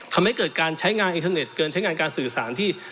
ทำให้เกิดการใช้งานอินเทอร์เน็ตเกินใช้งานการสื่อสารที่